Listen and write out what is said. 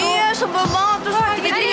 iya sebel banget